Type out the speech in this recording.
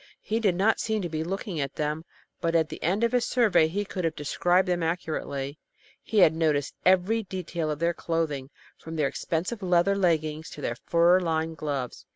He did not seem to be looking at them, but at the end of his survey he could have described them accurately. He had noticed every detail of their clothing, from their expensive leather leggins to their fur lined gloves.